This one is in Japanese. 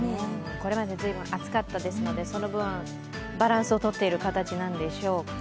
これまでずいぶん暑かったので、その分バランスをとっている形なんでしょぅか。